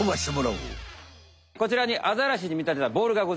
こちらにアザラシにみたてたボールがございます。